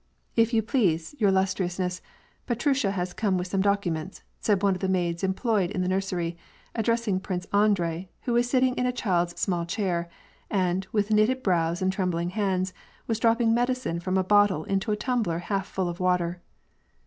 ''If you please, your illustriousness, Petrusha has come with some documents," said one of the maids employed in the nursery, addressing Prince Andrei, who was sitting in a child's small chair, and with knitted brows and trembling hands was dropping medicine from a bottle into a tumbler half fall of water.